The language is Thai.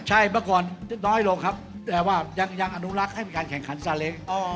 ใช่เมื่อก่อนน้อยลงครับแต่ว่ายังอนุรักษ์ให้มีการแข่งขันซาเล้ง